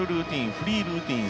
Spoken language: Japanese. フリールーティン